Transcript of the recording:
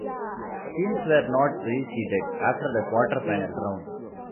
Teams were not "reseeded" after the quarter-final round.